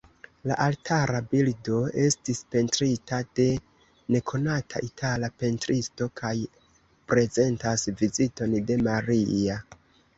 La altara bildo estis pentrita de nekonata itala pentristo kaj prezentas Viziton de Maria.